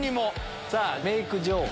さぁメイク情報。